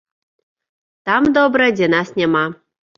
Там добра, дзе нас няма.